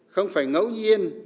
không phải ngẫu nhiên